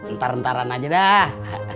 ntar nteran aja dah